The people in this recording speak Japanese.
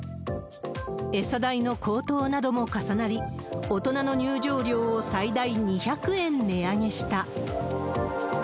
餌代の高騰なども重なり、大人の入場料を最大２００円値上げした。